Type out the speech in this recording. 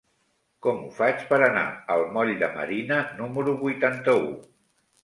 Com ho faig per anar al moll de Marina número vuitanta-u?